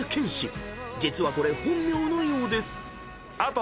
［実はこれ本名のようです］ＯＫ！